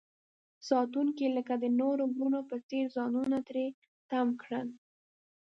ساتونکي لکه د نورو ورونو په څیر ځانونه تری تم کړل.